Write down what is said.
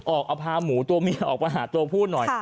ออกเอาพาหมูตัวเมียออกไปหาตัวผู้หน่อย